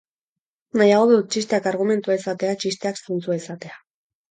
Nahiago dut txisteak argumentua izatea, txisteak zentzua izatea.